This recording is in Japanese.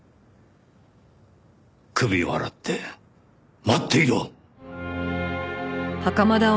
首を洗って待っていろ！